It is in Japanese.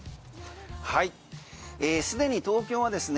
すでに東京はですね